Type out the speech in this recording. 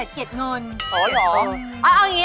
คุณสวัสดี